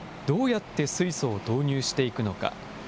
どうやって水素を導入していくのか。